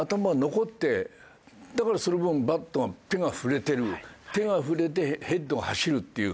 だからその分バットが手が振れてる手が振れてヘッドが走るっていう。